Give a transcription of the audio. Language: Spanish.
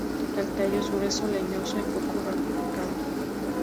El tallo es grueso, leñoso y poco ramificado.